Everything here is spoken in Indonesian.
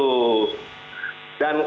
dan kalau misalnya